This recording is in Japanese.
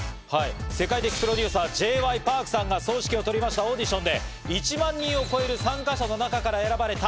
世界的プロデューサー、Ｊ．Ｙ．Ｐａｒｋさんが総指揮を執りましたオーディションで１万人を超える参加者の中から選ばれた